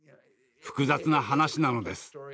複雑な話なのです。